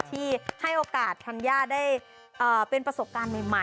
ที่ให้โอกาสธัญญาได้เป็นประสบการณ์ใหม่